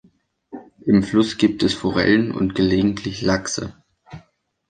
Im Fluss gibt es Forellen und gelegentlich Lachse.